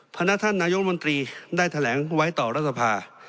พนักท่านนายกรมนตรีได้แถลงไว้ต่อรัฐสภา